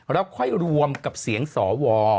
แล้วค่อยรวมกับเสียงสว